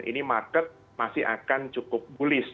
ini market masih akan cukup bullish